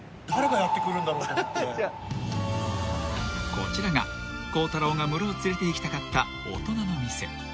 ［こちらが孝太郎がムロを連れていきたかった大人の店］